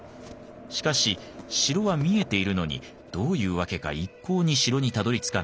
しかし城は見えているのにどういう訳か一向に城にたどりつかない。